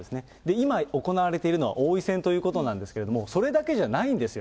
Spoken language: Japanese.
今行われているのは王位戦ということなんですけれども、それだけじゃないんですよ。